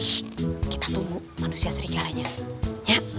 shh kita tunggu manusia serigalanya ya